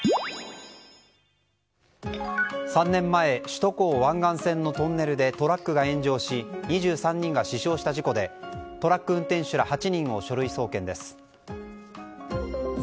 ３年前首都高湾岸線のトンネルでトラックが炎上し２３人が死傷した事故でトラック運転手ら８人を書類送検です。